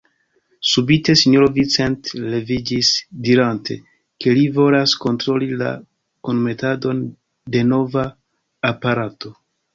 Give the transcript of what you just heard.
Subite sinjoro Vincent leviĝis, dirante, ke li volas kontroli la kunmetadon de nova aparato.